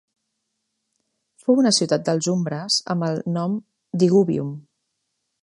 Fou una ciutat dels umbres amb el nom d'Iguvium.